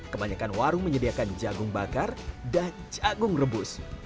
kebanyakan warung menyediakan jagung bakar dan jagung rebus